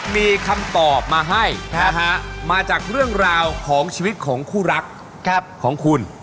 มีคำตอบมาให้มาจากเรื่องราวของชีวิตของคู่รักของคุณ